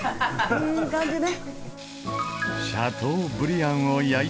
いい感じね。